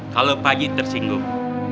kalau pak aji tersinggung